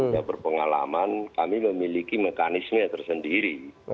yang berpengalaman kami memiliki mekanisme tersendiri